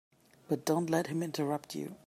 But don't let him interrupt you.